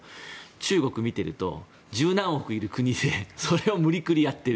中国を見ていると１０何億人いる国でそれを無理くりやっている。